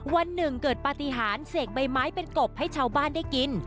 วันหนึ่งเกิดปฏิหารเสกใบไม้เป็นกบให้ชาวบ้านได้กิน